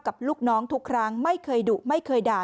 ลูกน้องทุกครั้งไม่เคยดุไม่เคยด่า